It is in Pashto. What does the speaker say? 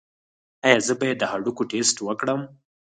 ایا زه باید د هډوکو ټسټ وکړم؟